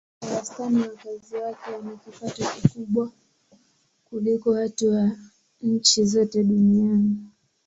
Kwa wastani wakazi wake wana kipato kikubwa kuliko watu wa nchi zote duniani.